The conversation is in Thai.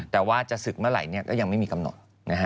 แต่ว่าจะศึกเมื่อไหร่ก็ยังไม่มีกำหนด